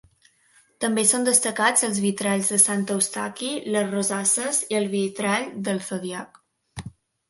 També són destacats els vitralls de Sant Eustaqui, les rosasses i el vitrall del Zodíac.